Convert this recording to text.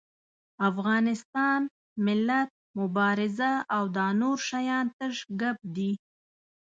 افغانستان، ملت، مبارزه او دا نور شيان تش ګپ دي.